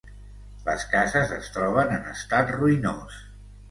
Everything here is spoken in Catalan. Les cases es troben en estat ruïnós.